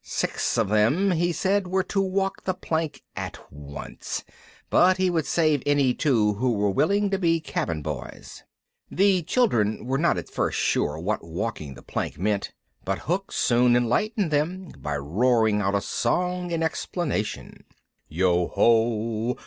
Six of them, he said, were to walk the plank at once, but he would save any two who were willing to be cabin boys. The children were not at first sure what walking the plank meant, but Hook soon enlightened them by roaring out a song in explanation. [Illustration: music] Yo ho!